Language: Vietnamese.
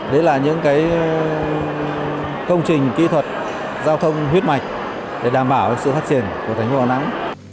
đấy là những công trình kỹ thuật giao thông huyết mạch để đảm bảo sự phát triển của thành phố đà nẵng